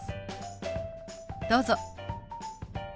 どうぞ。